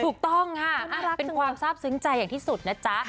ถูกต้องค่ะน่ารักเป็นความทราบซึ้งใจอย่างที่สุดนะจ๊ะ